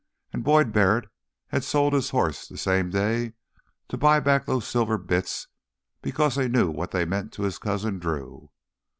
And Boyd Barrett had sold his horse the same day to buy back those silver bits because he knew what they meant to his cousin Drew.